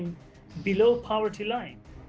sembilan belas juta dari tiga puluh delapan juta orang